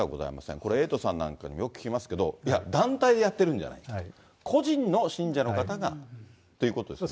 これ、エイトさんなんかからはよく聞きますけど、いや、団体でやってるんじゃないと、個人の信者の方がということですよね。